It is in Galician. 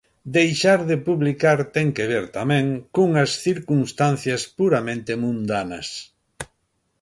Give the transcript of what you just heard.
Deixar de publicar ten que ver, tamén, cunhas circunstancias puramente mundanas.